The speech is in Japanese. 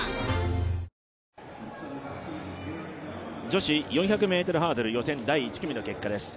女子４００ｍハードル予選第１組の結果です。